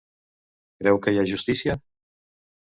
Creu que hi ha justícia?